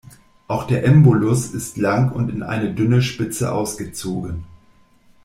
Auch der Embolus ist lang und in eine dünne Spitze ausgezogen.